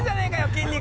筋肉。